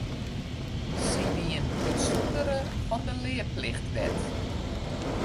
Sy wienen útsûndere fan de learplichtwet.